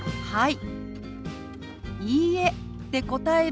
はい。